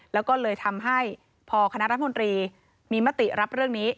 แล้วก็เลยทำให้พอคณะรัฐมนตรีมีมติรับเรื่องนี้